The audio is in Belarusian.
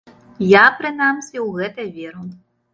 Я, прынамсі, у гэта веру.